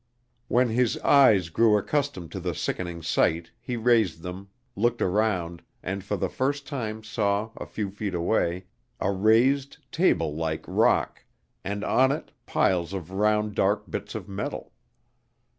When his eyes grew accustomed to the sickening sight he raised them, looked around, and for the first time saw, a few feet away, a raised, table like rock, and on it piles of round dark bits of metal.